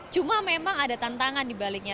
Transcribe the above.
cuma memang ada tantangan dibaliknya